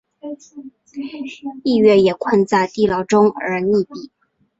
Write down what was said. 逸悦也困在地牢中而溺毙。